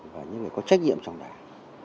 và những người có trách nhiệm trong đảng